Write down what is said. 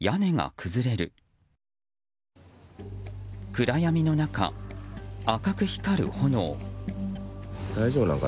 暗闇の中、赤く光る炎。